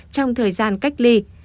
trong thời gian cách ly